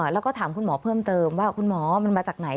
แล้วก็ถามคุณหมอเพิ่มเติมว่าคุณหมอมันมาจากไหน